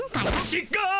ちっがう！